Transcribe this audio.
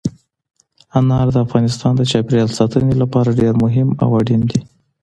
انار د افغانستان د چاپیریال ساتنې لپاره ډېر مهم او اړین دي.